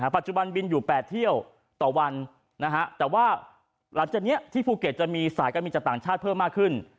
ปัจจุบันบินอยู่๘เที่ยวต่อวันแต่ว่าหลังจากนี้ที่ภูเก็ตจะมีสายการบินจากต่างชาติเพิ่มมากขึ้น